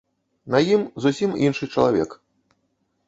На ім зусім іншы чалавек.